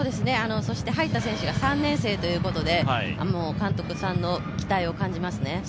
そして入った選手が３年生ということで監督さんの期待を感じますね。